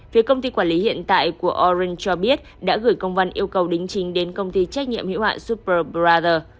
phía công ty quản lý hiện tại của orange cho biết đã gửi công văn yêu cầu đính chính đến công ty trách nhiệm hữu hạn superbrother